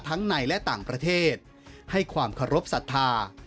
ทั้งในและต่างประเทศให้ความขอรบศรัทธา